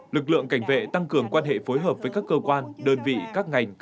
lực lượng cảnh vệ tăng cường quan hệ phối hợp với các cơ quan đơn vị các ngành